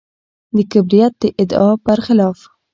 د کبریت د ادعا برخلاف.